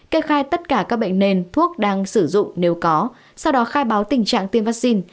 kê khai tất cả các bệnh nền thuốc đang sử dụng nếu có sau đó khai báo tình trạng tiêm vaccine